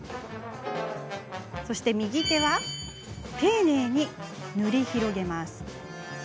右手は丁寧に塗り広げます。